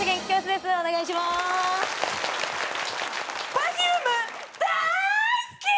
Ｐｅｒｆｕｍｅだい好き！